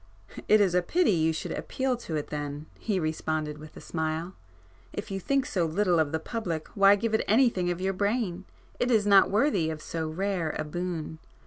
"It is a pity you should appeal to it then;"—he responded with a smile—"If you think so little of the public why give it anything of your brain? It is not worthy of so rare a boon!